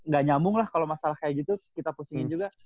gak nyamung lah kalo masalah kayak gitu kita pusingin juga